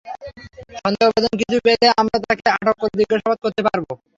সন্দেহজনক কিছু পেলে আমরা তাকে আটক করে জিজ্ঞাসাবাদ করতে পারব।